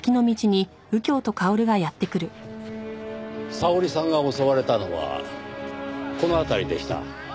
沙織さんが襲われたのはこの辺りでした。